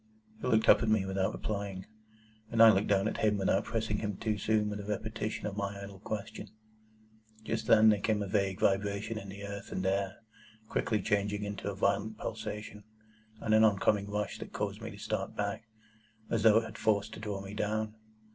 He looked up at me without replying, and I looked down at him without pressing him too soon with a repetition of my idle question. Just then there came a vague vibration in the earth and air, quickly changing into a violent pulsation, and an oncoming rush that caused me to start back, as though it had force to draw me down.